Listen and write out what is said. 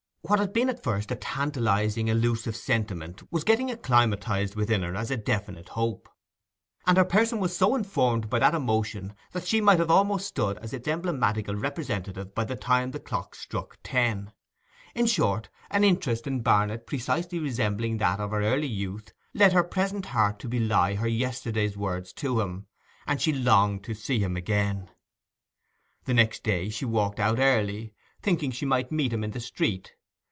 What had been at first a tantalizing elusive sentiment was getting acclimatized within her as a definite hope, and her person was so informed by that emotion that she might almost have stood as its emblematical representative by the time the clock struck ten. In short, an interest in Barnet precisely resembling that of her early youth led her present heart to belie her yesterday's words to him, and she longed to see him again. The next day she walked out early, thinking she might meet him in the street.